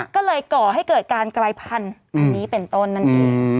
ก็เลยก่อให้เกิดการกลายพันธุ์